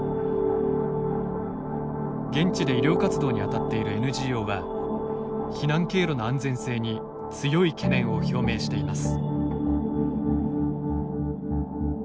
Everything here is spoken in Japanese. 現地で医療活動に当たっているＮＧＯは避難経路の安全性に強い懸念を表明しています。